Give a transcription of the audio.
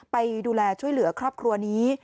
ไปดูแลช่วยเหลือครอบครัวนี้